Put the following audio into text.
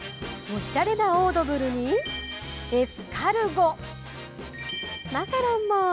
おしゃれなオードブルに、エスカルゴ、マカロンも。